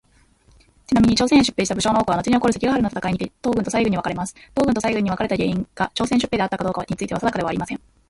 ちなみに、朝鮮へ出兵した武将の多くはのちに起こる関ヶ原の戦いにて東軍と西軍に分かれます。東軍と西軍に分かれた原因にが朝鮮出兵であったかどうかについては定かではありません。